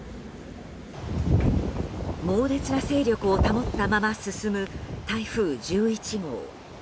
猛烈な勢力を保ったまま進む台風１１号。